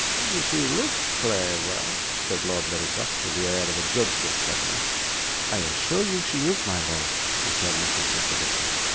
'She looks clayver,' said Lord Verisopht, with the air of a judge of cleverness. 'I assure you she is, my lord,' returned Mrs. Nickleby.